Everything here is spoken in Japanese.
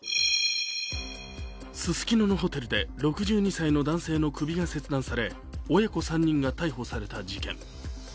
ススキノのホテルで６２歳の男性の首が切断され親子３人が逮捕された事件。